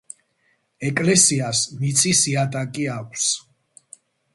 ეკლესიას მიწის იატაკი აქვს.